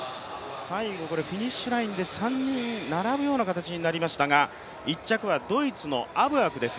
最後フィニッシュラインで３人並ぶような形になりましたが１着はドイツのアブアクです。